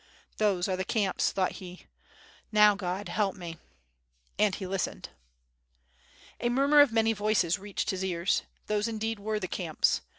"Those are the camps," thought he, "now God help me." And he listened. A murmur of many voices reached his ears. Those indeed were the camps.